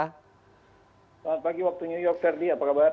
selamat pagi waktu new york ferdi apa kabar